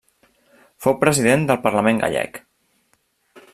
Fou president del Parlament gallec.